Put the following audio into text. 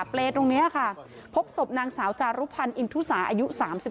เปรย์ตรงนี้ค่ะพบศพนางสาวจารุพันธ์อินทุสาอายุ๓๒